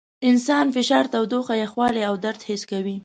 انسان فشار، تودوخه، یخوالي او درد حس کوي.